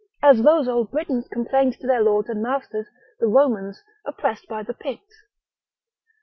as those old Britons complained to their lords and masters the Romans oppressed by the Picts.